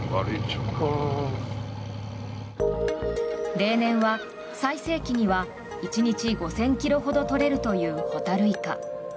例年は最盛期には１日５０００ｋｇほど取れるというホタルイカ。